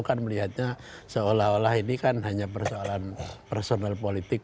kan melihatnya seolah olah ini kan hanya persoalan personal politik